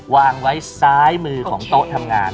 วางไว้ซ้ายมือของโต๊ะทำงาน